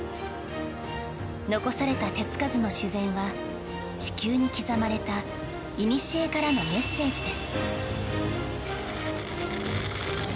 残された手付かずの自然は地球に刻まれたいにしえからのメッセージです。